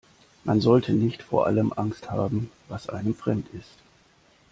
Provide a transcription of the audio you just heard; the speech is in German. Man sollte nicht vor allem Angst haben, was einem fremd ist.